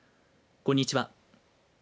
こんにちは。